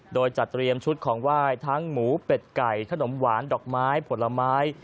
โดยจัดเตรียมชุดของไหว้ทั้งหมูเป็ดไก่ขนมหวานดอกไม้ผลไม้